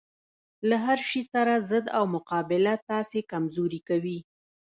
له هرشي سره ضد او مقابله تاسې کمزوري کوي